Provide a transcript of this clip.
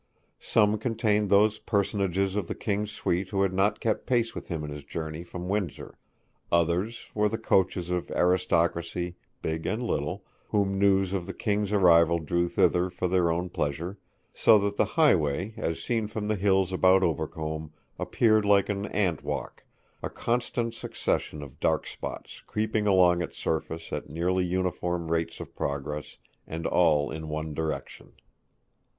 Some contained those personages of the King's suite who had not kept pace with him in his journey from Windsor; others were the coaches of aristocracy, big and little, whom news of the King's arrival drew thither for their own pleasure: so that the highway, as seen from the hills about Overcombe, appeared like an ant walk a constant succession of dark spots creeping along its surface at nearly uniform rates of progress, and all in one direction.